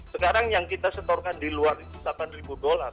sekarang yang kita setorkan di luar itu delapan ribu dolar